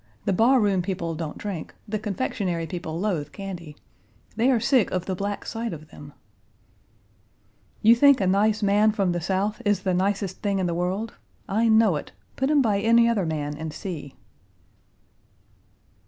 The barroom people don't drink, the confectionery people loathe candy. They are sick of the black sight of them." "You think a nice man from the South is the nicest thing in the world? I know it. Put him by any other man and see!"